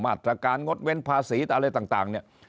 มาตรการงดเว้นภาษีอะไรต่าง